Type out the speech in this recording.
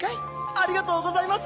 ありがとうございます！